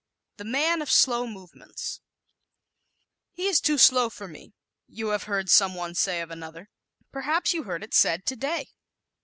The Man of Slow Movements ¶ "He is too slow for me," you have heard some one say of another. Perhaps you heard it said today.